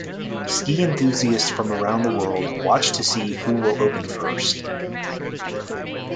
Ski enthusiast from around the world watch to see who will open first.